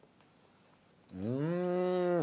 うん。